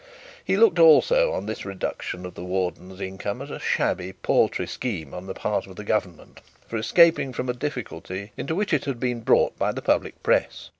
He looked also on this reduction of the warden's income as a paltry scheme on the part of government for escaping from a difficulty into which it had been brought by the public press.